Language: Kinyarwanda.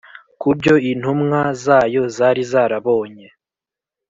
Ku byo intumwa zayo zari zarabonye